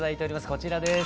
こちらです。